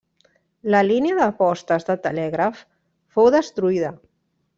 La línia de postes de telègraf fou destruïda.